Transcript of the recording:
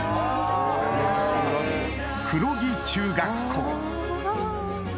黒木中学校